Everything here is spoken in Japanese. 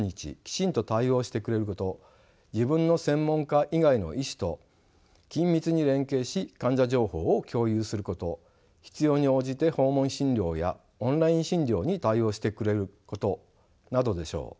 自分の専門科以外の医師と緊密に連携し患者情報を共有すること必要に応じて訪問診療やオンライン診療に対応してくれることなどでしょう。